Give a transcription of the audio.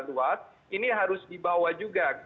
luas ini harus dibawa juga